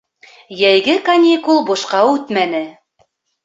Йәйге каникул бушҡа үтмәне.